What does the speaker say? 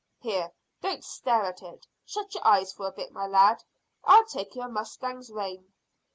"Here, don't stare at it. Shut your eyes for a bit, my lad. I'll take your mustang's rein."